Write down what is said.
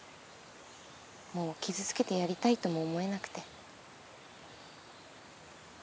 もう傷つけてやりたいとも思えなくて。